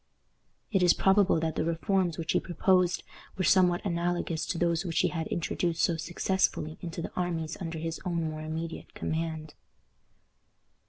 It is probable that the reforms which he proposed were somewhat analogous to those which he had introduced so successfully into the armies under his own more immediate command.